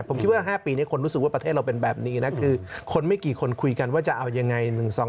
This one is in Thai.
ผมคิดว่า๕ปีนี้คนรู้สึกว่าประเทศเราเป็นแบบนี้นะคือคนไม่กี่คนคุยกันว่าจะเอายังไง